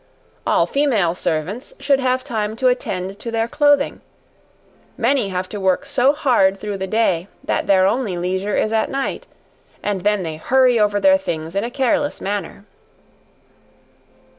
All female servants should have time to attend to their clothing; many have to work so hard through the day that their only leisure is at night, and then they hurry over their things in a careless manner.